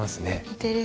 似てる。